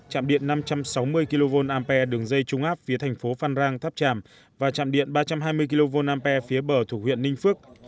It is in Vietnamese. hoàn thành trạm điện năm trăm sáu mươi kva đường dây trung áp phía thành phố phan rang tháp tràm và trạm điện ba trăm hai mươi kva phía bờ thủ huyện ninh phước